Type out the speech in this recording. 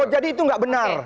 jadi itu tidak benar